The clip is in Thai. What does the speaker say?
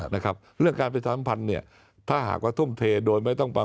นะครับเรื่องการพันธุ์เนี่ยถ้าหากว่าทุ่มเทโดยไม่ต้องมา